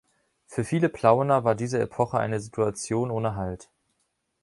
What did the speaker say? Für viele Plauener war diese Epoche eine Situation ohne Halt.